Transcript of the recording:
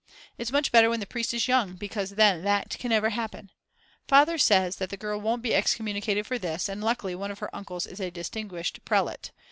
It's much better when the priest is young, because then that can never happen. Father says that the girl won't be excommunicated for this, and luckily one of her uncles is a distinguished prelate.